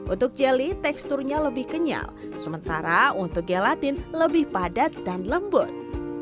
untuk jelly teksturnya lebih kenyal sementara untuk gelatin lebih padat dan lembut